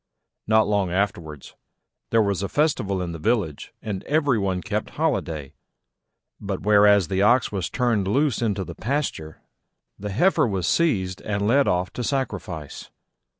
Not long afterwards there was a festival in the village and every one kept holiday: but, whereas the Ox was turned loose into the pasture, the Heifer was seized and led off to sacrifice.